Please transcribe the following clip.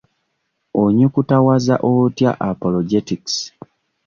Onyukutawaza otya "apologetics"?